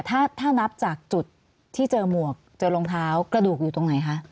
ถ้านับจากจุดที่เจอหมวกเจอรองเท้ากระดูกอยู่ตรงไหนคะ